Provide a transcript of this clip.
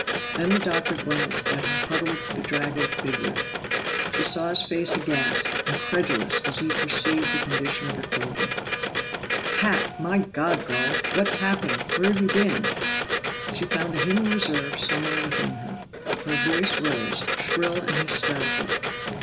Then the Doctor glanced at her huddled, bedraggled figure; she saw his face aghast, incredulous, as he perceived the condition of her clothing. "Pat! My God, girl! What's happened? Where've you been?" She found a hidden reserve somewhere within her. Her voice rose, shrill and hysterical.